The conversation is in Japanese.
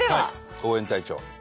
応援隊長。